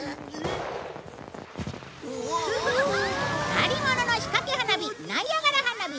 張り物の仕掛け花火ナイアガラ花火だよ。